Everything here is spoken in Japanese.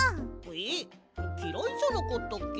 えっきらいじゃなかったっけ？